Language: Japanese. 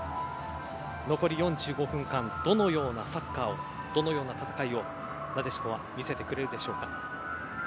残り４５分間どのようなサッカーをどのような戦いをなでしこは見せてくれるでしょう。